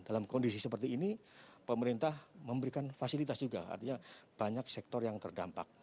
dalam kondisi seperti ini pemerintah memberikan fasilitas juga artinya banyak sektor yang terdampak